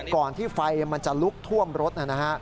ก่อนที่ไฟมันจะลุกท่วมรถนะฮะ